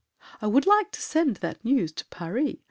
I would like to send That news to Paris.